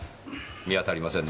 見当たりませんね。